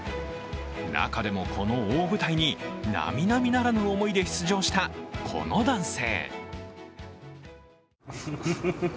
中でも、この大舞台に並々ならぬ思いで出場したこの男性。